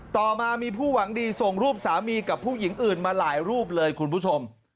ต่อมามีผู้หวังดีส่งรูปสามีกับผู้หญิงอื่นมาหลายรูปเลยคุณผู้ชม